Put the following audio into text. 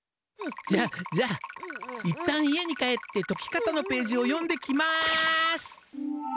じゃじゃいったん家に帰ってとき方のページを読んできます！